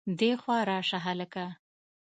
دېخوا راشه هلکه